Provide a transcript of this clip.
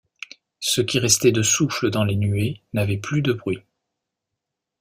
Ce qui restait de souffle dans les nuées n’avait plus de bruit.